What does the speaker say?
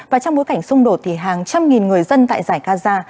và trong bối cảnh xung đột thì hàng trăm nghìn người dân tại giải gaza